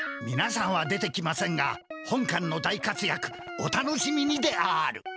みなさんは出てきませんが本かんの大かつやくお楽しみにである！